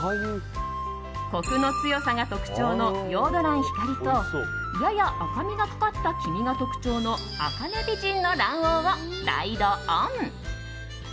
コクの強さが特徴のヨード卵・光とやや赤みがかかった黄身が特徴の茜美人の卵黄をライドオン。